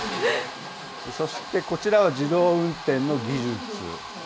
そしてこちらは自動運転の技術。